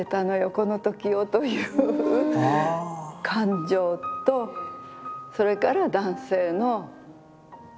この時を」という感情とそれから男性の決意